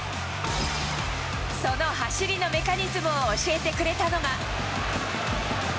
その走りのメカニズムを教えてくれたのが。